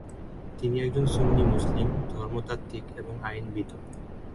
তিনি একজন সুন্নি মুসলিম ধর্মতাত্ত্বিক এবং আইনবিদও।